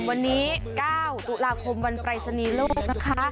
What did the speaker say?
วันนี้เก้าเมืองตุหราคมวันใบราคาปรายสนียาโลกนะคะ